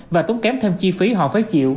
và tốn kém thêm chi phí họ phải chịu